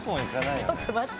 ちょっと待って。